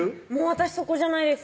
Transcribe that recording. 私そこじゃないです